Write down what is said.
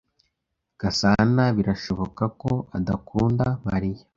Gasana birashoboka ko adakunda Mariya.